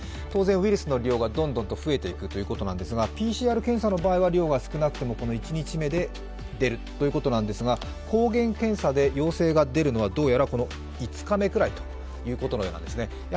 当然ウイルスの量が、どんどん増えていくということですがＰＣＲ検査の場合は量が少なくても１日目で出るということなんですが抗原検査で陽性が出るのはどうやら５日目ぐらいということのようなんですね。